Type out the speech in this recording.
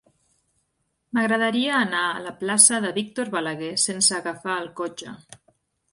M'agradaria anar a la plaça de Víctor Balaguer sense agafar el cotxe.